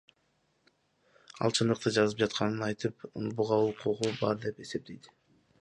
Ал чындыкты жазып жатканын айтып, буга укугу бар деп эсептейт.